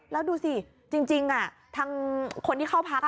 แล้วดูสิจริงทางคนที่เข้าพัก